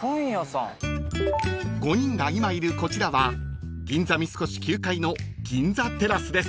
［５人が今いるこちらは銀座三越９階の銀座テラスです］